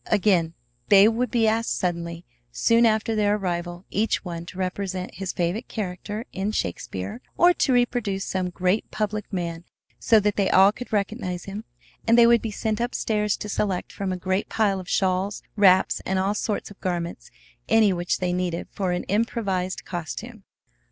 Again they would be asked suddenly, soon after their arrival, each one to represent his favorite character in Shakespeare, or to reproduce some great public man so that they all could recognize him; and they would be sent up stairs to select from a great pile of shawls, wraps, and all sorts of garments any which they needed for an improvised costume.